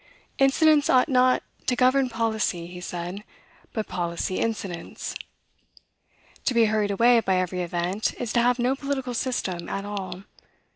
"Incidents ought not to govern policy," he said, "but policy, incidents." "To be hurried away by every event, is to have no political system at all.